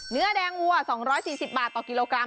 เนื้อแดงวัว๒๔๐บาทต่อกิโลกรัม